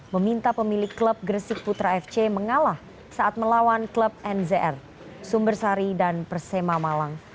meminta pemilik klub gresik putra fc mengalah saat melawan klub nzr sumbersari dan persema malang